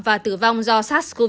và tử vong do sars cov hai